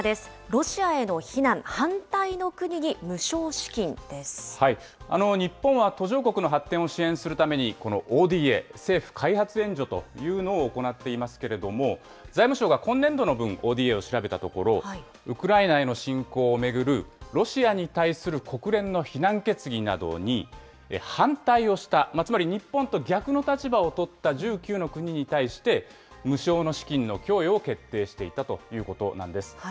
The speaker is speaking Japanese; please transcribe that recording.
ロシアへの非難、反対の国に無償日本は途上国の発展を支援するために、このＯＤＡ・政府開発援助というのを行っていますけれども、財務省が今年度の分、ＯＤＡを調べたところ、ウクライナへの侵攻を巡るロシアに対する国連の非難決議などに反対をした、つまり日本と逆の立場を取った１９の国に対して、無償の資金の供与を決定していたということなんです。